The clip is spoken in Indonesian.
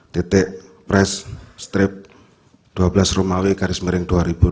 titik press strip dua belas romawi garis miring dua ribu dua puluh